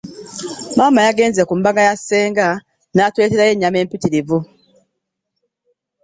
Maama yagenze ku mbaga ya senga n'atuleterayo ennyama mpitirivu.